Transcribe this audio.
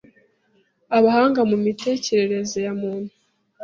Abahanga mu mitekerereze ya muntu,